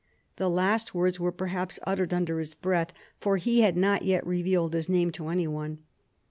The last words were perhaps uttered under his breath, for he had not yet revealed his name to any one.